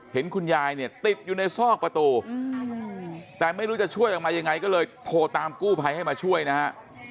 เห็นคุณยายเนี่ยติดอยู่ในซอกประตูแต่ไม่รู้จะช่วยออกมายังไงก็เลยโทรตามกู้ภัยให้มาช่วยนะฮะ